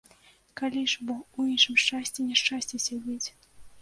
Калі ж бо ў іншым шчасці няшчасце сядзіць.